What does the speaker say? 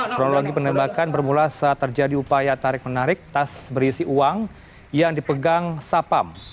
kronologi penembakan bermula saat terjadi upaya tarik menarik tas berisi uang yang dipegang sapam